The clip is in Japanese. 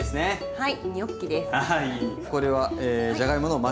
はい。